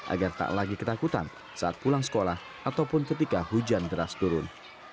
agar tak lagi ketakutan saat pulang sekolah ataupun ketika hujan deras turun